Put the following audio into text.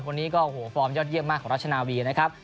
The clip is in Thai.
คนนี้ก็โอ้โหฟอร์มยอดเยี่ยมมากของราชนาวีนะครับ